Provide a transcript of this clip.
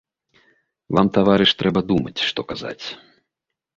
Вам, таварыш, трэба думаць, што казаць.